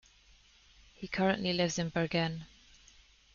He currently lives in Bergen.